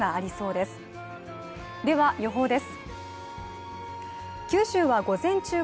では予報です。